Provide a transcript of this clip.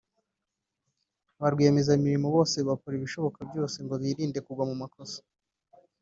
Ba rwiyemezamirimo bose bakora ibishoboka byose ngo birinde kugwa mu makosa